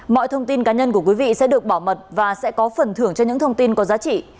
mọi thông tin cá nhân của quý vị sẽ được bảo mật và sẽ có phần thưởng cho những thông tin có giá trị